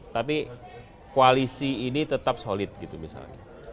tapi koalisi ini tetap solid gitu misalnya